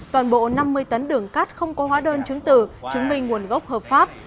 toàn bộ năm mươi tấn đường cát không có hóa đơn chứng tử chứng minh nguồn gốc hợp pháp